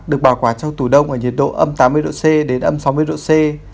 được bảo quản trong tủ đông ở nhiệt độ âm tám mươi độ c đến âm sáu mươi độ c